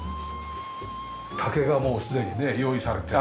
竹がもうすでに用意されて。